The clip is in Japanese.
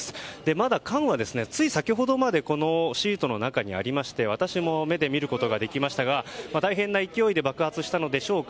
まだ缶はつい先ほどまでこのシートの中にありまして私も目で見ることができましたが大変な勢いで爆発したのでしょうか